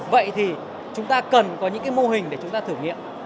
vậy thì chúng ta cần có những cái mô hình để chúng ta thử nghiệm